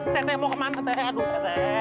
teh teh mau kemana teh aduh teh teh